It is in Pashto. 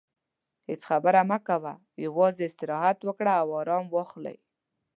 هیڅ خبرې مه کوه، یوازې استراحت وکړه او ارام واخلې.